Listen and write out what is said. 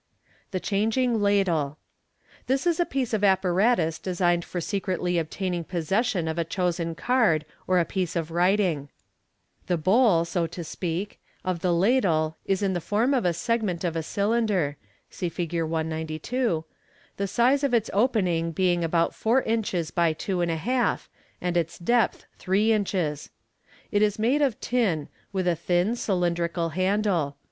The Changing Ladlb. — This is a piece of apparatus designed for secretly obtaining possession of a chosen card or piece of writing. The bowl, so to speak, of the ladle is in the form of a segment of a cylinder (see Fig. 192), the size of its opening being about four inches by two and a half, and its depth three inches. It is made of tin, with a thin, cylindrical handle.